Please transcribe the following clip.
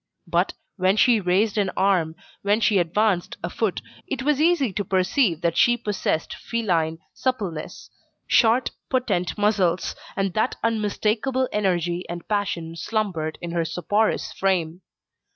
But, when she raised an arm, when she advanced a foot, it was easy to perceive that she possessed feline suppleness, short, potent muscles, and that unmistakable energy and passion slumbered in her soporous frame.